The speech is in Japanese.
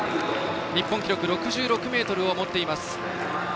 日本記録の６６ｍを持っています。